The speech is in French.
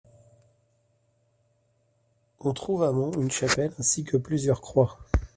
On trouve à Mont une chapelle ainsi que plusieurs croix.